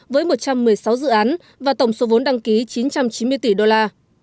với một trăm một mươi sáu dự án và tổng số vốn đăng ký chín trăm chín mươi tỷ đô la